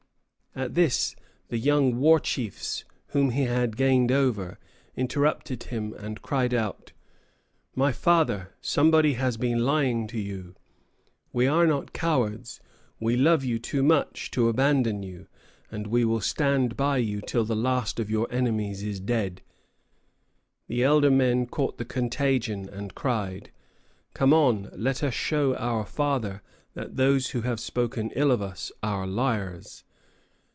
At this the young war chiefs whom he had gained over interrupted him and cried out, "My father, somebody has been lying to you. We are not cowards. We love you too much to abandon you, and we will stand by you till the last of your enemies is dead." The elder men caught the contagion, and cried, "Come on, let us show our father that those who have spoken ill of us are liars."